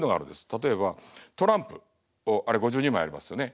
例えばトランプをあれ５２枚ありますよね。